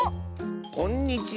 こんにちは。